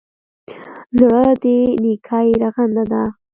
زړه د نېکۍ رغنده ده.